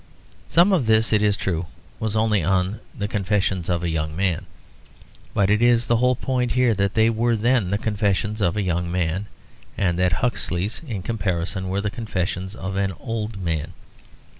Some of this, it is true, was only in the Confessions of a Young Man; but it is the whole point here that they were then the confessions of a young man, and that Huxley's in comparison were the confessions of an old man.